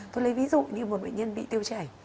tôi lấy ví dụ như một bệnh nhân bị tiêu chảy